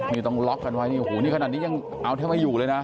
นี่ต้องล็อกกันไว้นี่หูนี่ขนาดนี้ยังเอาแทบไม่อยู่เลยนะ